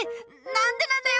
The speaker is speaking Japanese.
なんでなんだよ！